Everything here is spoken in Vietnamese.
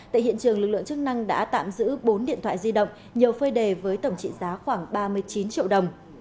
tại hiện trường lực lượng chức năng đã tạm giữ bốn điện thoại di động nhiều phơi đề với tổng trị giá khoảng ba mươi chín triệu đồng